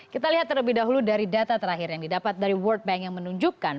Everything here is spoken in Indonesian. kita lihat terlebih dahulu dari data terakhir yang didapat dari world bank yang menunjukkan